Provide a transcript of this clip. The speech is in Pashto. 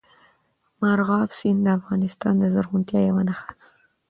مورغاب سیند د افغانستان د زرغونتیا یوه نښه ده.